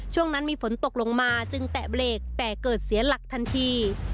ช่วงนั้นมีฝนตกลงมาจึงแตะเบรกแต่เกิดเสียหลักทันที